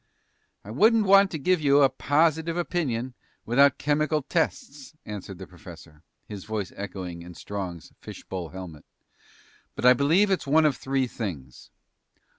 "I wouldn't want to give you a positive opinion without chemical tests," answered the professor, his voice echoing in Strong's fish bowl helmet. "But I believe it's one of three things.